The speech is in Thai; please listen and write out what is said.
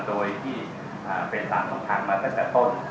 โดยเป็น๓ท่องทางมาตั้งแต่ต้น